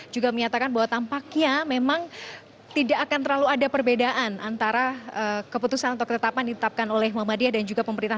juga menyatakan bahwa tampaknya memang tidak akan terlalu ada perbedaan antara keputusan atau ketetapan ditetapkan oleh muhammadiyah dan juga pemerintah